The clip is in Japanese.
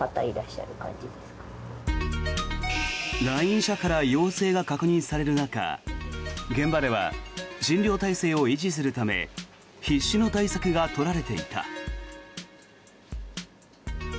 来院者から陽性が確認される中現場では診療体制を維持するため必死の対策が取られていた。